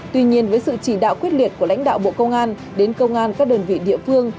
tuy nhiên với sự chỉ đạo quyết liệt của lãnh đạo bộ công an đến công an các đơn vị địa phương